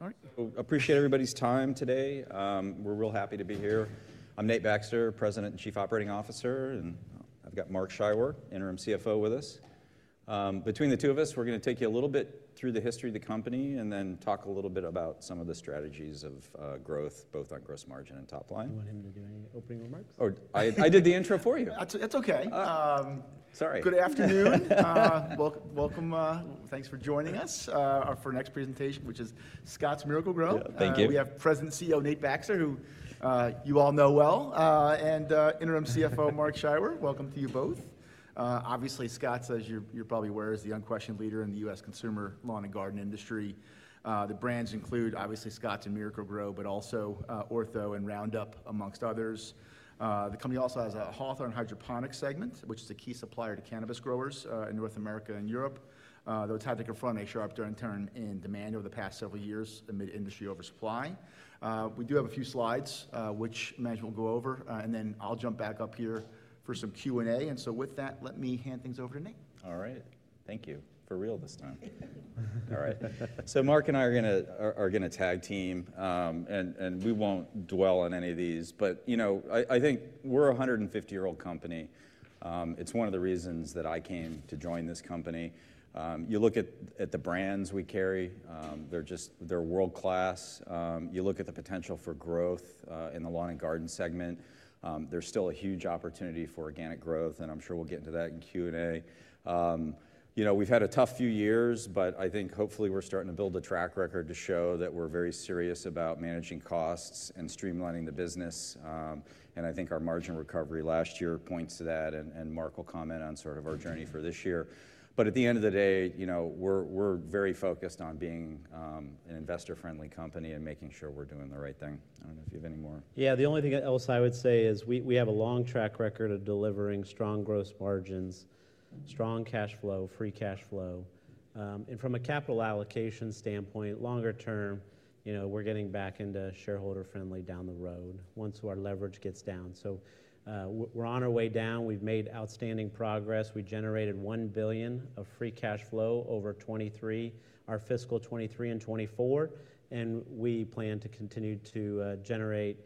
All right. So appreciate everybody's time today. We're real happy to be here. I'm Nate Baxter, President and Chief Operating Officer, and I've got Mark Scheiwer, Interim CFO, with us. Between the two of us, we're going to take you a little bit through the history of the company and then talk a little bit about some of the strategies of growth, both on gross margin and top line. Do you want him to do any opening remarks? Oh, I did the intro for you. That's okay. Good afternoon. Welcome, thanks for joining us, for our next presentation, which is Scotts Miracle-Gro. Yeah. Thank you. We have President and COO Nate Baxter, who you all know well, and Interim CFO Mark Scheiwer. Welcome to you both. Obviously, Scotts, as you're probably aware, is the unquestioned leader in the U.S. Consumer lawn and garden industry. The brands include, obviously, Scotts and Miracle-Gro, but also Ortho and Roundup, among others. The company also has a Hawthorne Gardening segment, which is a key supplier to cannabis growers in North America and Europe. Though it's had to confront a sharp downturn in demand over the past several years amid industry oversupply. We do have a few slides, which management will go over, and then I'll jump back up here for some Q&A. And so with that, let me hand things over to Nate. All right. Thank you. For real this time. All right, so Mark and I are going to tag team, and we won't dwell on any of these. But you know, I think we're a 150-year-old company. It's one of the reasons that I came to join this company. You look at the brands we carry; they're just world-class. You look at the potential for growth in the lawn and garden segment. There's still a huge opportunity for organic growth, and I'm sure we'll get into that in Q&A. You know, we've had a tough few years, but I think, hopefully, we're starting to build a track record to show that we're very serious about managing costs and streamlining the business. And I think our margin recovery last year points to that, and Mark will comment on sort of our journey for this year. But at the end of the day, you know, we're very focused on being an investor-friendly company and making sure we're doing the right thing. I don't know if you have any more. Yeah. The only thing else I would say is we have a long track record of delivering strong gross margins, strong cash flow, free cash flow, and from a capital allocation standpoint, longer term, you know, we're getting back into shareholder-friendly down the road once our leverage gets down. So, we're on our way down. We've made outstanding progress. We generated $1 billion of free cash flow over 2023, our fiscal 2023 and 2024, and we plan to continue to generate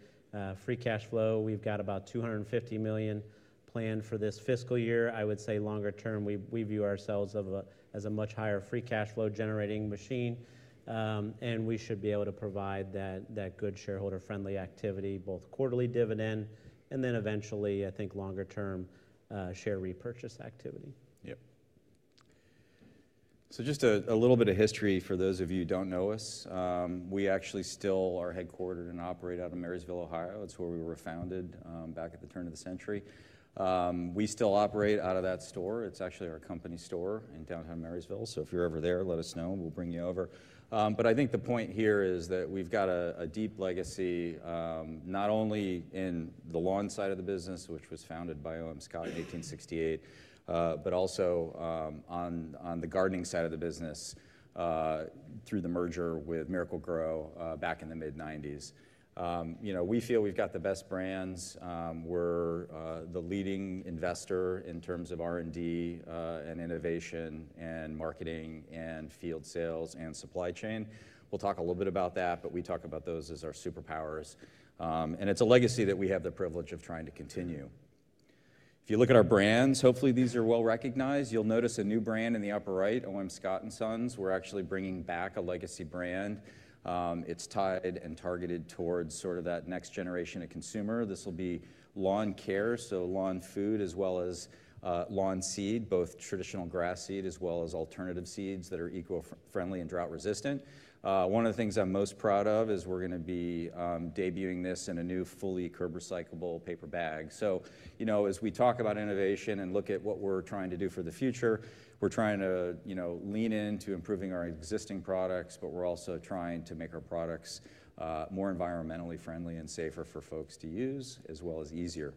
free cash flow. We've got about $250 million planned for this fiscal year. I would say, longer term, we view ourselves as a much higher free cash flow generating machine, and we should be able to provide that good shareholder-friendly activity, both quarterly dividend and then, eventually, I think, longer term, share repurchase activity. Yep. So just a little bit of history for those of you who don't know us. We actually still are headquartered and operate out of Marysville, Ohio. It's where we were founded, back at the turn of the century. We still operate out of that store. It's actually our company store in downtown Marysville. So if you're ever there, let us know. We'll bring you over. But I think the point here is that we've got a deep legacy, not only in the lawn side of the business, which was founded by O.M. Scott in 1868, but also on the gardening side of the business, through the merger with Miracle-Gro, back in the mid-1990s. You know, we feel we've got the best brands. We're the leading investor in terms of R&D, and innovation and marketing and field sales and supply chain. We'll talk a little bit about that, but we talk about those as our superpowers, and it's a legacy that we have the privilege of trying to continue. If you look at our brands, hopefully, these are well recognized. You'll notice a new brand in the upper right, O.M. Scott & Sons. We're actually bringing back a legacy brand. It's tied and targeted towards sort of that next generation of consumer. This will be lawn care, so lawn food, as well as, lawn seed, both traditional grass seed as well as alternative seeds that are eco-friendly and drought-resistant. One of the things I'm most proud of is we're going to be, debuting this in a new fully curb-recyclable paper bag. So, you know, as we talk about innovation and look at what we're trying to do for the future, we're trying to, you know, lean into improving our existing products, but we're also trying to make our products more environmentally friendly and safer for folks to use, as well as easier.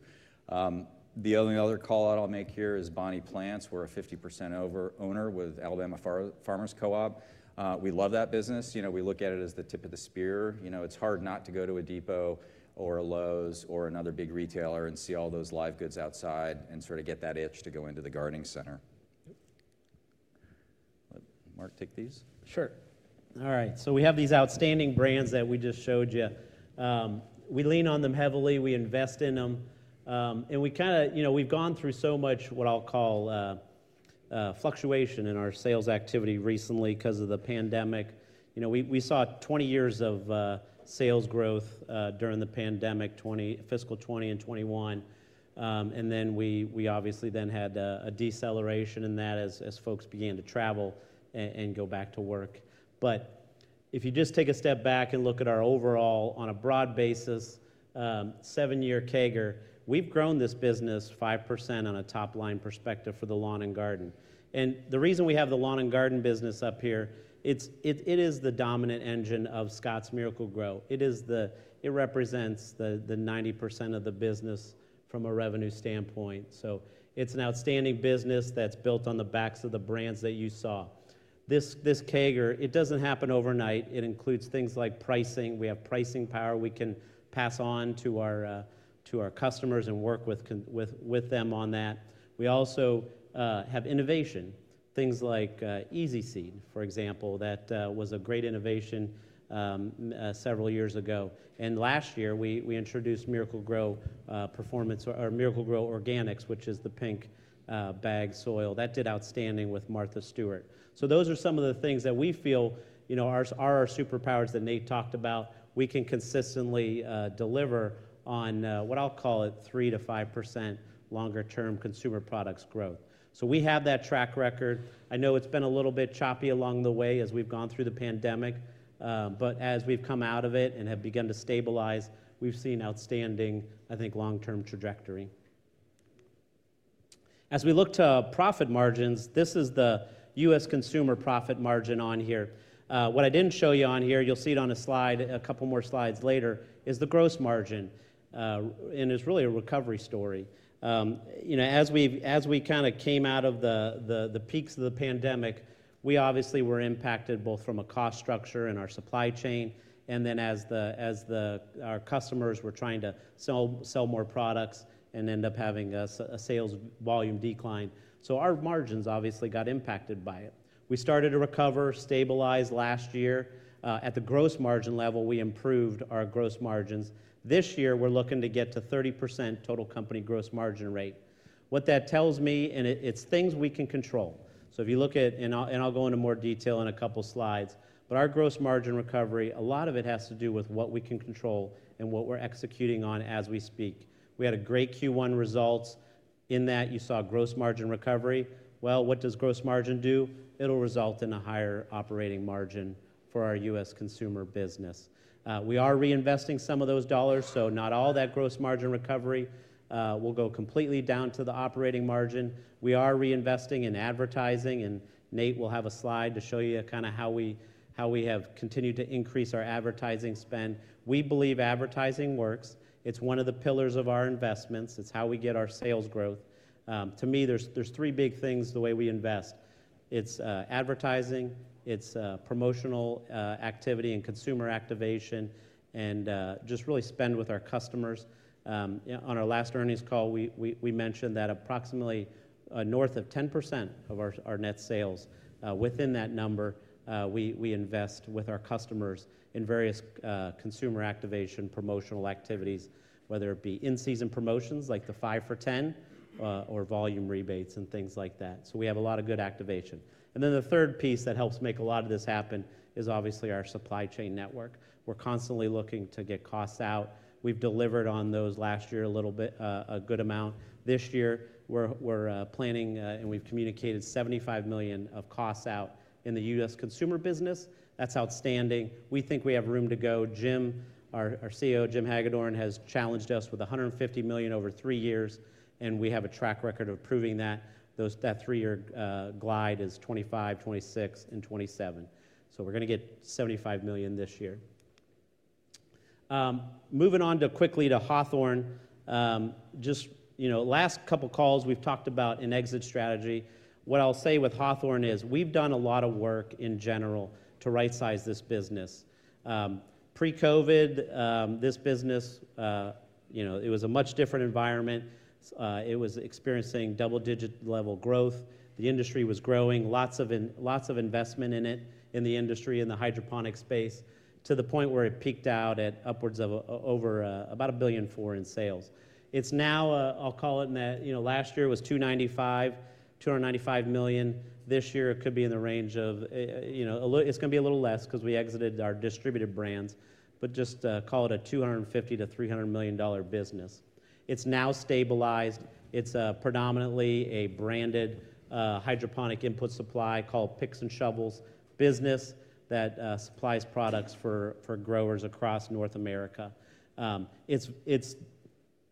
The only other callout I'll make here is Bonnie Plants. We're a 50% owner with Alabama Farmers Cooperative. We love that business. You know, we look at it as the tip of the spear. You know, it's hard not to go to a Depot or a Lowe's or another big retailer and see all those live goods outside and sort of get that itch to go into the gardening center. Mark, take these. Sure. All right. So we have these outstanding brands that we just showed you. We lean on them heavily. We invest in them and we kind of, you know, we've gone through so much what I'll call fluctuation in our sales activity recently because of the pandemic. You know, we saw 20 years of sales growth during the pandemic, 2020, fiscal 2020 and 2021. And then we obviously then had a deceleration in that as folks began to travel and go back to work. But if you just take a step back and look at our overall on a broad basis, seven-year CAGR, we've grown this business 5% on a top-line perspective for the lawn and garden. And the reason we have the lawn and garden business up here, it is the dominant engine of Scotts Miracle-Gro. It is, it represents 90% of the business from a revenue standpoint. So it's an outstanding business that's built on the backs of the brands that you saw. This CAGR, it doesn't happen overnight. It includes things like pricing. We have pricing power. We can pass on to our customers and work with them on that. We also have innovation, things like EZ Seed, for example, that was a great innovation several years ago. And last year, we introduced Miracle-Gro Performance Organics, which is the pink bag soil that did outstanding with Martha Stewart. So those are some of the things that we feel, you know, are our superpowers that Nate talked about. We can consistently deliver on what I'll call it 3%-5% longer-term consumer products growth. So we have that track record. I know it's been a little bit choppy along the way as we've gone through the pandemic, but as we've come out of it and have begun to stabilize, we've seen outstanding, I think, long-term trajectory. As we look to profit margins, this is the U.S. consumer profit margin on here. What I didn't show you on here, you'll see it on a slide a couple more slides later, is the gross margin, and it's really a recovery story. You know, as we kind of came out of the peaks of the pandemic, we obviously were impacted both from a cost structure and our supply chain, and then as our customers were trying to sell more products and end up having a sales volume decline. So our margins obviously got impacted by it. We started to recover, stabilize last year. At the gross margin level, we improved our gross margins. This year, we're looking to get to 30% total company gross margin rate. What that tells me, and it's things we can control. If you look at, and I'll go into more detail in a couple slides, but our gross margin recovery, a lot of it has to do with what we can control and what we're executing on as we speak. We had a great Q1 result in that you saw gross margin recovery. What does gross margin do? It'll result in a higher operating margin for our U.S. consumer business. We are reinvesting some of those dollars, so not all that gross margin recovery will go completely down to the operating margin. We are reinvesting in advertising, and Nate will have a slide to show you kind of how we have continued to increase our advertising spend. We believe advertising works. It's one of the pillars of our investments. It's how we get our sales growth. To me, there's three big things the way we invest. It's advertising. It's promotional activity and consumer activation and just really spend with our customers. On our last earnings call, we mentioned that approximately north of 10% of our net sales. Within that number, we invest with our customers in various consumer activation promotional activities, whether it be in-season promotions like the 5 for 10 or volume rebates and things like that. So we have a lot of good activation. And then the third piece that helps make a lot of this happen is obviously our supply chain network. We're constantly looking to get costs out. We've delivered on those last year a little bit, a good amount. This year, we're planning and we've communicated $75 million of costs out in the U.S. consumer business. That's outstanding. We think we have room to go. Jim, our CEO, Jim Hagedorn, has challenged us with $150 million over three years, and we have a track record of proving that. That three-year glide is 2025, 2026, and 2027. So we're going to get $75 million this year. Moving on quickly to Hawthorne. Just, you know, last couple calls, we've talked about an exit strategy. What I'll say with Hawthorne is we've done a lot of work in general to right-size this business. Pre-COVID, this business, you know, it was a much different environment. It was experiencing double-digit level growth. The industry was growing, lots of investment in it, in the industry, in the hydroponic space, to the point where it peaked out at upwards of over about $1 billion in sales. It's now, I'll call it in that, you know, last year was $295 million. This year, it could be in the range of, you know, it's going to be a little less because we exited our distributed brands, but just call it a $250 million to $300 million business. It's now stabilized. It's predominantly a branded hydroponic input supply called picks and shovels business that supplies products for growers across North America.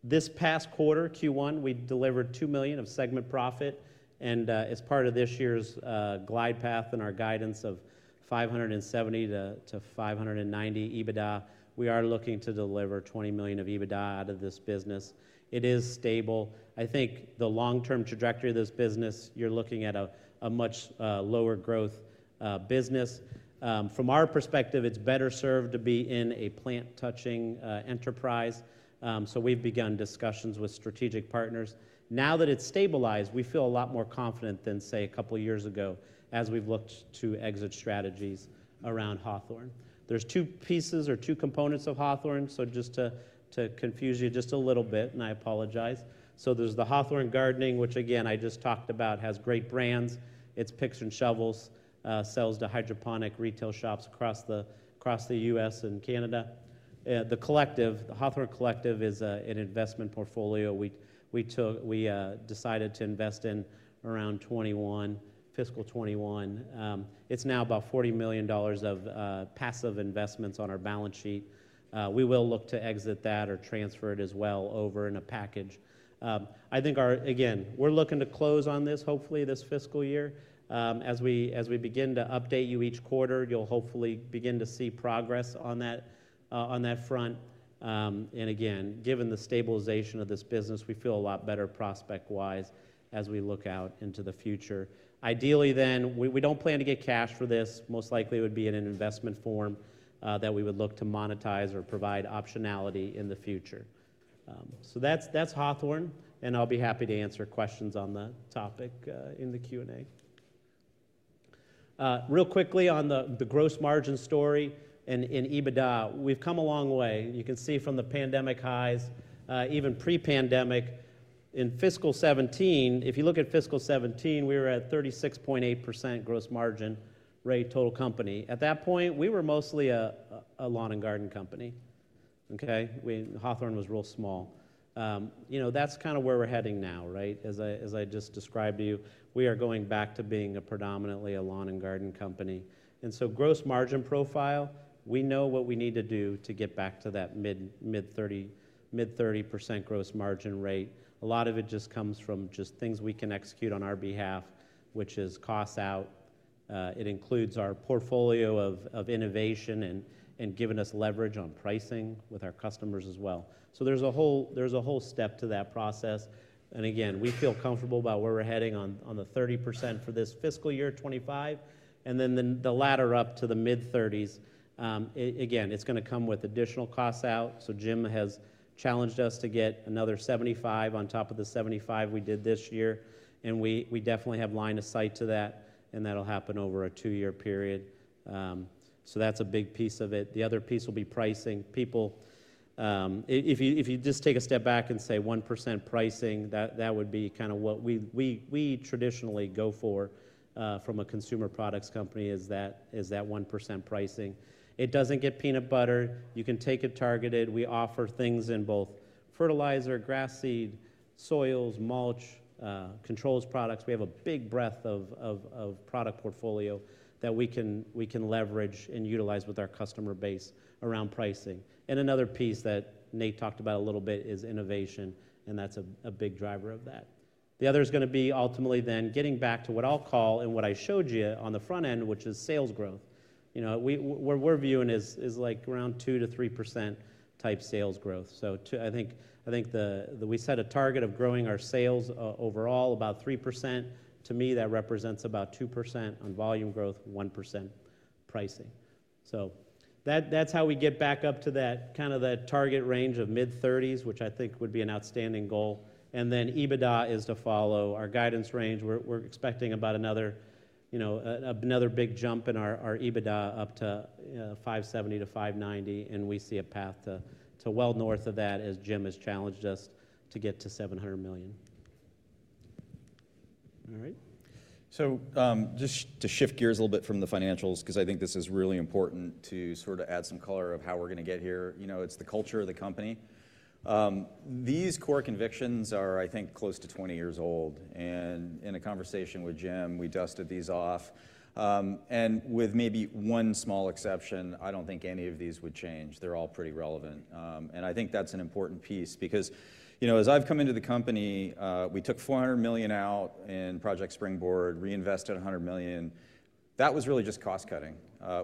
This past quarter, Q1, we delivered $2 million of segment profit, and as part of this year's glide path and our guidance of $570 million-$590 million EBITDA, we are looking to deliver $20 million of EBITDA out of this business. It is stable. I think the long-term trajectory of this business, you're looking at a much lower growth business. From our perspective, it's better served to be in a plant-touching enterprise. So we've begun discussions with strategic partners. Now that it's stabilized, we feel a lot more confident than, say, a couple of years ago as we've looked to exit strategies around Hawthorne. There's two pieces or two components of Hawthorne. So just to confuse you just a little bit, and I apologize. So there's the Hawthorne Gardening, which, again, I just talked about, has great brands. It's picks and shovels, sells to hydroponic retail shops across the U.S. and Canada. The Collective, the Hawthorne Collective is an investment portfolio we decided to invest in around 2021, fiscal 2021. It's now about $40 million of passive investments on our balance sheet. We will look to exit that or transfer it as well over in a package. I think our, again, we're looking to close on this, hopefully, this fiscal year. As we begin to update you each quarter, you'll hopefully begin to see progress on that front. Again, given the stabilization of this business, we feel a lot better prospect-wise as we look out into the future. Ideally, then, we don't plan to get cash for this. Most likely, it would be in an investment form that we would look to monetize or provide optionality in the future. That's Hawthorne, and I'll be happy to answer questions on the topic in the Q&A. Real quickly on the gross margin story and EBITDA, we've come a long way. You can see from the pandemic highs, even pre-pandemic. In fiscal 2017, if you look at fiscal 2017, we were at 36.8% gross margin rate total company. At that point, we were mostly a lawn and garden company. Okay? Hawthorne was real small. You know, that's kind of where we're heading now, right? As I just described to you, we are going back to being predominantly a lawn and garden company. So gross margin profile, we know what we need to do to get back to that mid-30% gross margin rate. A lot of it just comes from just things we can execute on our behalf, which is costs out. It includes our portfolio of innovation and giving us leverage on pricing with our customers as well. So there's a whole step to that process. Again, we feel comfortable about where we're heading on the 30% for this fiscal year, 2025, and then the ladder up to the mid-30s. Again, it's going to come with additional costs out. So Jim has challenged us to get another 75 on top of the 75 we did this year, and we definitely have line of sight to that, and that'll happen over a two-year period. So that's a big piece of it. The other piece will be pricing. People, if you just take a step back and say 1% pricing, that would be kind of what we traditionally go for from a consumer products company is that 1% pricing. It doesn't get penetrated. You can take it targeted. We offer things in both fertilizer, grass seed, soils, mulch, controls products. We have a big breadth of product portfolio that we can leverage and utilize with our customer base around pricing. And another piece that Nate talked about a little bit is innovation, and that's a big driver of that. The other is going to be ultimately then getting back to what I'll call and what I showed you on the front end, which is sales growth. You know, what we're viewing is like around 2%-3% type sales growth. So I think we set a target of growing our sales overall about 3%. To me, that represents about 2% on volume growth, 1% pricing. So that's how we get back up to that kind of the target range of mid-30s, which I think would be an outstanding goal, and then EBITDA is to follow our guidance range. We're expecting about another, you know, another big jump in our EBITDA up to $570 million-$590 million, and we see a path to well north of that as Jim has challenged us to get to $700 million. All right. So just to shift gears a little bit from the financials, because I think this is really important to sort of add some color to how we're going to get here, you know, it's the culture of the company. These core convictions are, I think, close to 20 years old. And in a conversation with Jim, we dusted these off. And with maybe one small exception, I don't think any of these would change. They're all pretty relevant. And I think that's an important piece because, you know, as I've come into the company, we took $400 million out in Project Springboard, reinvested $100 million. That was really just cost cutting.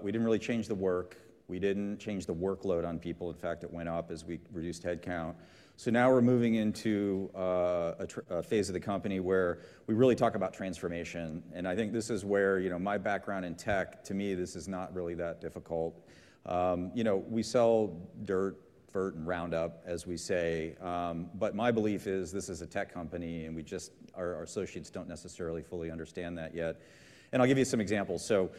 We didn't really change the work. We didn't change the workload on people. In fact, it went up as we reduced headcount. So now we're moving into a phase of the company where we really talk about transformation. I think this is where, you know, my background in tech, to me, this is not really that difficult. You know, we sell dirt, fert, and Roundup, as we say. But my belief is this is a tech company, and we just, our associates don't necessarily fully understand that yet. I'll give you some examples. So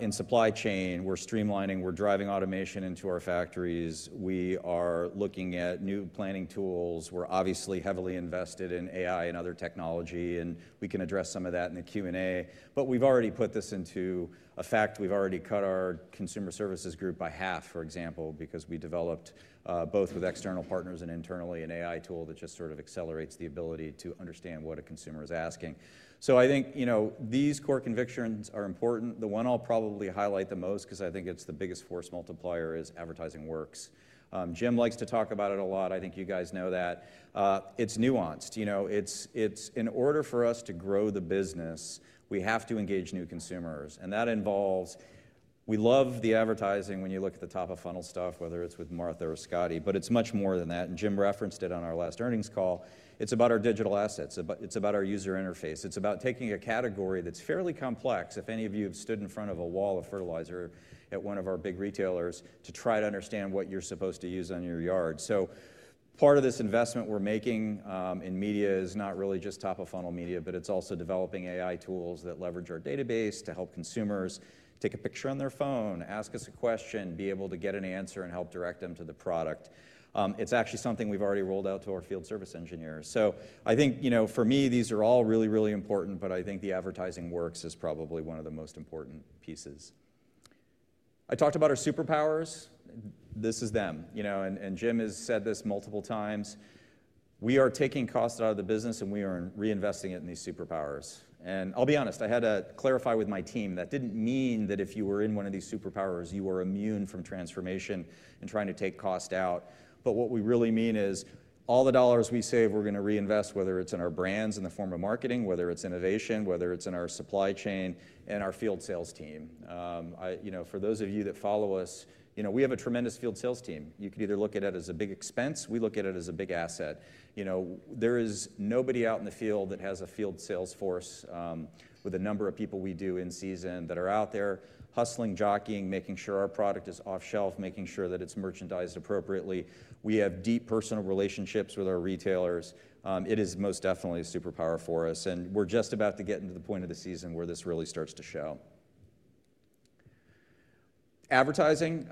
in supply chain, we're streamlining, we're driving automation into our factories. We are looking at new planning tools. We're obviously heavily invested in AI and other technology, and we can address some of that in the Q&A. But we've already put this into effect. We've already cut our consumer services group by half, for example, because we developed both with external partners and internally an AI tool that just sort of accelerates the ability to understand what a consumer is asking. So I think, you know, these core convictions are important. The one I'll probably highlight the most because I think it's the biggest force multiplier is advertising works. Jim likes to talk about it a lot. I think you guys know that. It's nuanced. You know, it's in order for us to grow the business, we have to engage new consumers. And that involves, we love the advertising when you look at the top of funnel stuff, whether it's with Martha or Scott, but it's much more than that. And Jim referenced it on our last earnings call. It's about our digital assets. It's about our user interface. It's about taking a category that's fairly complex. If any of you have stood in front of a wall of fertilizer at one of our big retailers to try to understand what you're supposed to use on your yard. So part of this investment we're making in media is not really just top of funnel media, but it's also developing AI tools that leverage our database to help consumers take a picture on their phone, ask us a question, be able to get an answer, and help direct them to the product. It's actually something we've already rolled out to our field service engineers. So I think, you know, for me, these are all really, really important, but I think the advertising works is probably one of the most important pieces. I talked about our superpowers. This is them, you know, and Jim has said this multiple times. We are taking costs out of the business and we are reinvesting it in these superpowers. And I'll be honest, I had to clarify with my team. That didn't mean that if you were in one of these superpowers, you were immune from transformation and trying to take costs out. But what we really mean is all the dollars we save, we're going to reinvest, whether it's in our brands in the form of marketing, whether it's innovation, whether it's in our supply chain and our field sales team. You know, for those of you that follow us, you know, we have a tremendous field sales team. You could either look at it as a big expense. We look at it as a big asset. You know, there is nobody out in the field that has a field sales force with a number of people we do in season that are out there hustling, jockeying, making sure our product is off shelf, making sure that it's merchandised appropriately. We have deep personal relationships with our retailers. It is most definitely a superpower for us. We're just about to get into the point of the season where this really starts to show. Advertising,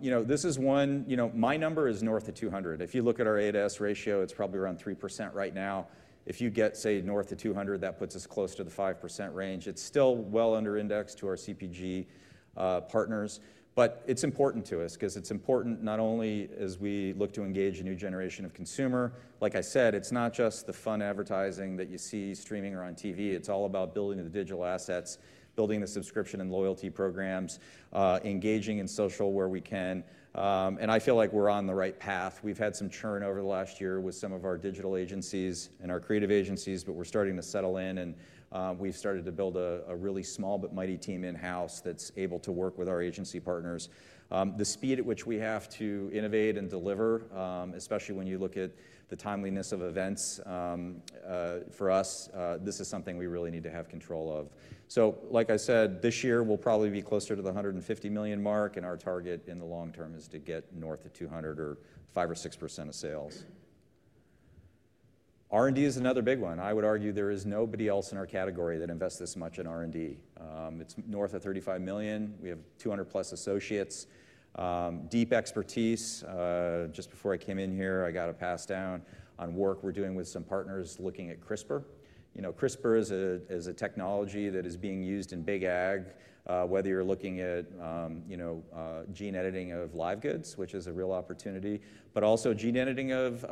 you know, this is one, you know, my number is north of 200. If you look at our A to S ratio, it's probably around 3% right now. If you get, say, north of 200, that puts us close to the 5% range. It's still well under index to our CPG partners. It's important to us because it's important not only as we look to engage a new generation of consumer. Like I said, it's not just the fun advertising that you see streaming or on TV. It's all about building the digital assets, building the subscription and loyalty programs, engaging in social where we can. I feel like we're on the right path. We've had some churn over the last year with some of our digital agencies and our creative agencies, but we're starting to settle in and we've started to build a really small but mighty team in-house that's able to work with our agency partners. The speed at which we have to innovate and deliver, especially when you look at the timeliness of events, for us, this is something we really need to have control of. So like I said, this year, we'll probably be closer to the $150 million mark, and our target in the long term is to get north of $200 million or 5% or 6% of sales. R&D is another big one. I would argue there is nobody else in our category that invests this much in R&D. It's north of $35 million. We have 200+ associates. Deep expertise. Just before I came in here, I got a pass down on work we're doing with some partners looking at CRISPR. You know, CRISPR is a technology that is being used in Big Ag, whether you're looking at, you know, gene editing of live goods, which is a real opportunity, but also gene editing of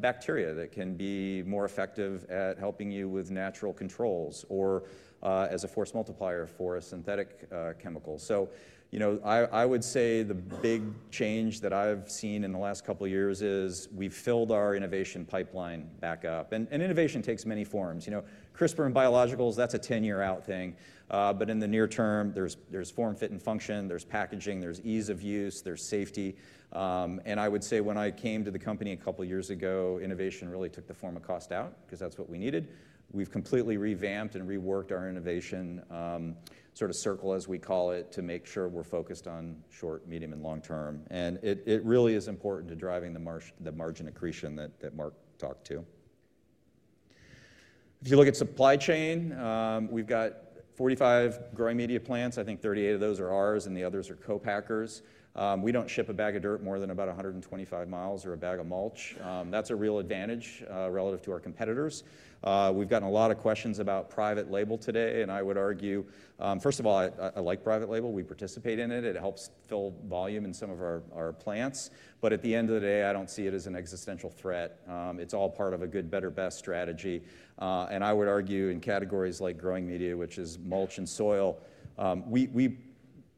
bacteria that can be more effective at helping you with natural controls or as a force multiplier for a synthetic chemical. So, you know, I would say the big change that I've seen in the last couple of years is we've filled our innovation pipeline back up. And innovation takes many forms. You know, CRISPR and biologicals, that's a 10-year-out thing. But in the near term, there's form, fit, and function. There's packaging. There's ease of use. There's safety. And I would say when I came to the company a couple of years ago, innovation really took the form of cost out because that's what we needed. We've completely revamped and reworked our innovation sort of circle, as we call it, to make sure we're focused on short, medium, and long term. And it really is important to driving the margin accretion that Mark talked to. If you look at supply chain, we've got 45 growing media plants. I think 38 of those are ours, and the others are co-packers. We don't ship a bag of dirt more than about 125 miles or a bag of mulch. That's a real advantage relative to our competitors. We've gotten a lot of questions about private label today, and I would argue, first of all, I like private label. We participate in it. It helps fill volume in some of our plants. But at the end of the day, I don't see it as an existential threat. It's all part of a good, better, best strategy. And I would argue in categories like growing media, which is mulch and soil, we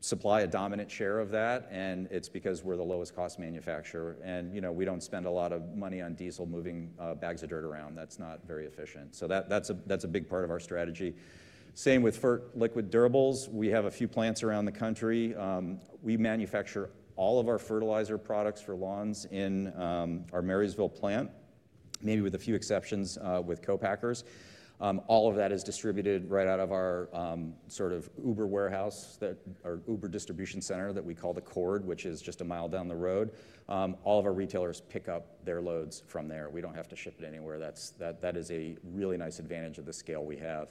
supply a dominant share of that, and it's because we're the lowest cost manufacturer. And, you know, we don't spend a lot of money on diesel moving bags of dirt around. That's not very efficient. So that's a big part of our strategy. Same with fert liquid durables. We have a few plants around the country. We manufacture all of our fertilizer products for lawns in our Marysville Plant, maybe with a few exceptions with co-packers. All of that is distributed right out of our sort of our warehouse or our distribution center that we call the CORD, which is just a mile down the road. All of our retailers pick up their loads from there. We don't have to ship it anywhere. That is a really nice advantage of the scale we have.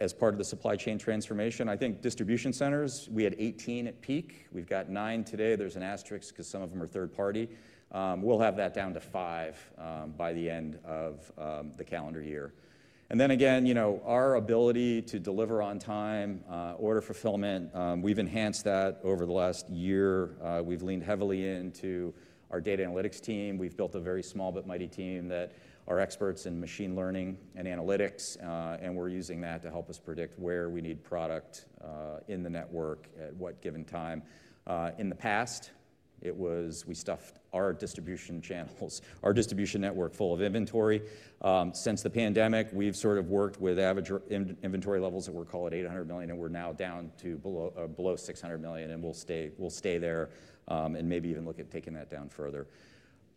As part of the supply chain transformation, I think distribution centers, we had 18 at peak. We've got nine today. There's an asterisk because some of them are third party. We'll have that down to five by the end of the calendar year. And then again, you know, our ability to deliver on time, order fulfillment, we've enhanced that over the last year. We've leaned heavily into our data analytics team. We've built a very small but mighty team that are experts in machine learning and analytics, and we're using that to help us predict where we need product in the network at what given time. In the past, it was we stuffed our distribution channels, our distribution network full of inventory. Since the pandemic, we've sort of worked with average inventory levels that we called $800 million, and we're now down to below $600 million, and we'll stay there and maybe even look at taking that down further.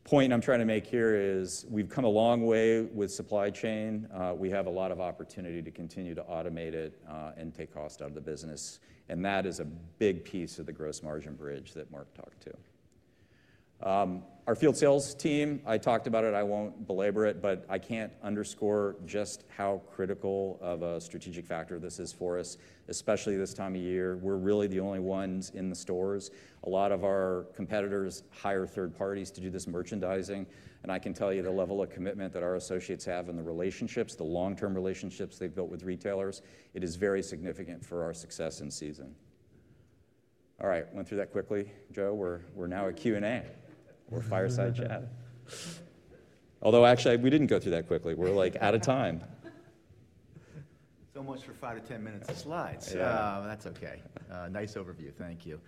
The point I'm trying to make here is we've come a long way with supply chain. We have a lot of opportunity to continue to automate it and take cost out of the business. And that is a big piece of the gross margin bridge that Mark talked to. Our field sales team. I talked about it. I won't belabor it, but I can't underscore just how critical of a strategic factor this is for us, especially this time of year. We're really the only ones in the stores. A lot of our competitors hire third parties to do this merchandising. I can tell you the level of commitment that our associates have and the relationships, the long-term relationships they've built with retailers. It is very significant for our success in season. All right, went through that quickly, Joe. We're now at Q&A. We're fireside chat. Although actually we didn't go through that quickly. We're like out of time. So much for five to ten minutes of slides. That's okay. Nice overview. Thank you.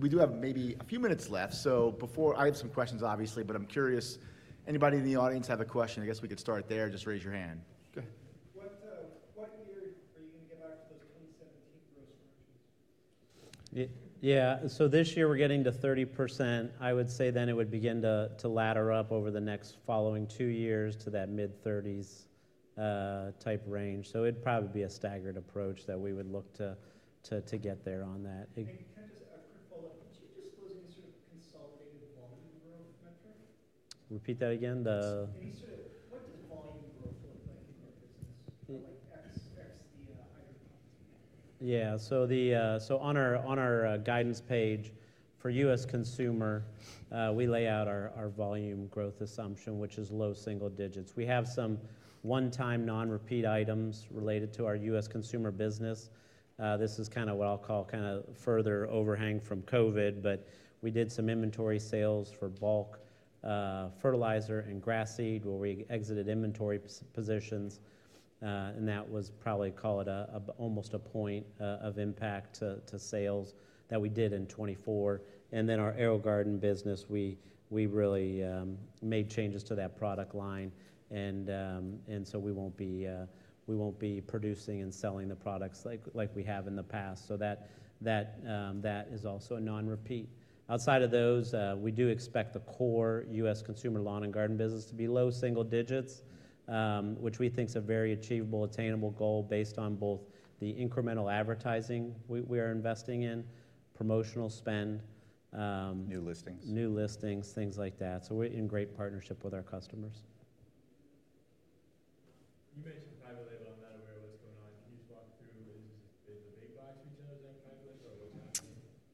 We do have maybe a few minutes left. So before I have some questions, obviously, but I'm curious, anybody in the audience have a question? I guess we could start there. Just raise your hand. Go ahead. What year are you going to get back to those 2017 gross margins? Yeah. So this year we're getting to 30%. I would say then it would begin to ladder up over the next following two years to that mid-30s type range. So it'd probably be a staggered approach that we would look to get there on that. Can I just ask a quick follow-up? Did you disclose any sort of consolidated volume growth metric? Repeat that again. Any sort of, what does volume growth look like in your business? Like X, the hydroponics. Yeah. So on our guidance page for U.S. consumer, we lay out our volume growth assumption, which is low single digits. We have some one-time non-repeat items related to our U.S. consumer business. This is kind of what I'll call kind of further overhang from COVID, but we did some inventory sales for bulk fertilizer and grass seed where we exited inventory positions. And that was probably call it almost a point of impact to sales that we did in 2024. And then our AeroGarden business, we really made changes to that product line. And so we won't be producing and selling the products like we have in the past. So that is also a non-repeat. Outside of those, we do expect the core U.S. consumer lawn and garden business to be low single digits, which we think is a very achievable, attainable goal based on both the incremental advertising we are investing in, promotional spend. New listings. New listings, things like that. So we're in great partnership with our customers. You mentioned private label. I'm not aware of what's going on. Can you just walk through? Is it the big box retailers that have private label or what's happening?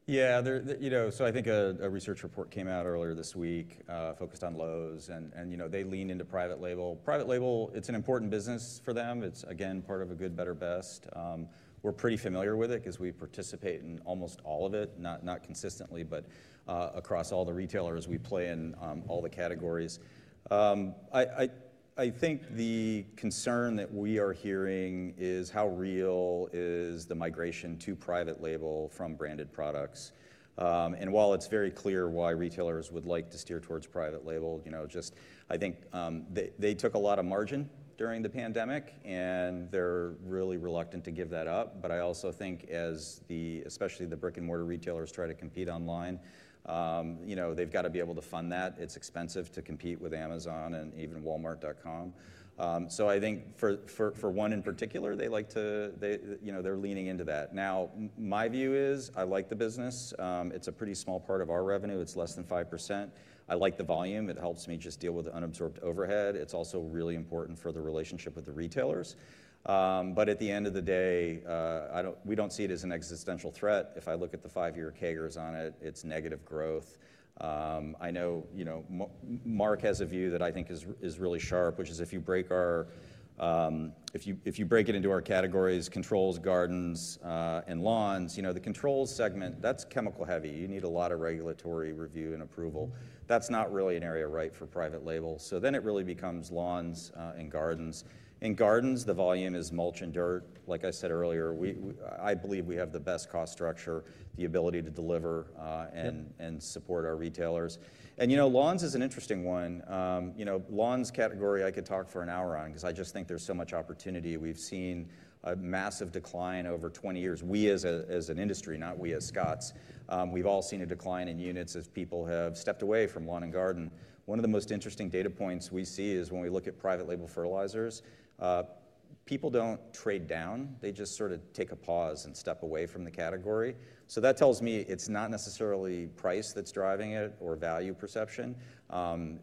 Yeah. You know, so I think a research report came out earlier this week focused on Lowe's, and you know, they lean into private label. Private label, it's an important business for them. It's, again, part of a good, better, best. We're pretty familiar with it because we participate in almost all of it, not consistently, but across all the retailers. We play in all the categories. I think the concern that we are hearing is how real is the migration to private label from branded products, and while it's very clear why retailers would like to steer towards private label, you know, just I think they took a lot of margin during the pandemic, and they're really reluctant to give that up, but I also think as the, especially the brick-and-mortar retailers try to compete online, you know, they've got to be able to fund that. It's expensive to compete with Amazon and even Walmart.com. So I think for one in particular, they like to, you know, they're leaning into that. Now, my view is I like the business. It's a pretty small part of our revenue. It's less than 5%. I like the volume. It helps me just deal with the unabsorbed overhead. It's also really important for the relationship with the retailers. But at the end of the day, we don't see it as an existential threat. If I look at the five-year CAGRs on it, it's negative growth. I know, you know, Mark has a view that I think is really sharp, which is if you break our, if you break it into our categories, controls, gardens, and lawns, you know, the controls segment, that's chemical heavy. You need a lot of regulatory review and approval. That's not really an area right for private label. So then it really becomes lawns and gardens. In gardens, the volume is mulch and dirt. Like I said earlier, I believe we have the best cost structure, the ability to deliver and support our retailers. And, you know, lawns is an interesting one. You know, lawns category I could talk for an hour on because I just think there's so much opportunity. We've seen a massive decline over 20 years. We as an industry, not we as Scotts, we've all seen a decline in units as people have stepped away from lawn and garden. One of the most interesting data points we see is when we look at private label fertilizers, people don't trade down. They just sort of take a pause and step away from the category. So that tells me it's not necessarily price that's driving it or value perception.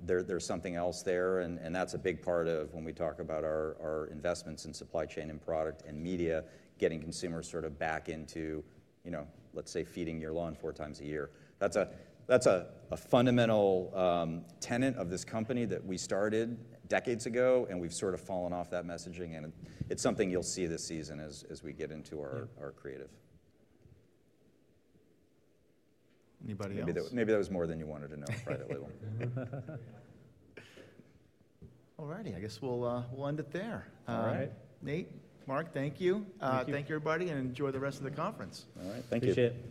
There's something else there. And that's a big part of when we talk about our investments in supply chain and product and media getting consumers sort of back into, you know, let's say feeding your lawn four times a year. That's a fundamental tenet of this company that we started decades ago, and we've sort of fallen off that messaging. And it's something you'll see this season as we get into our creative. Anybody else? Maybe that was more than you wanted to know private label. All righty. I guess we'll end it there. All right. Nate, Mark, thank you. Thank you, everybody, and enjoy the rest of the conference. All right. Thank you.